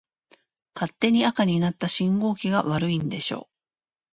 勝手に赤になった信号機が悪いんでしょ。